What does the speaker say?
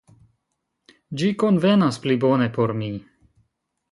Ĝi konvenas pli bone por mi.